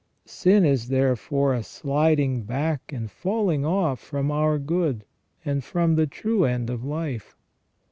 Sin is there fore a sliding back and falling off from our good, and from the true end of life.